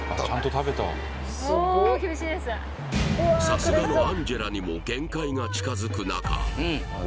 さすがのアンジェラにも限界が近づく中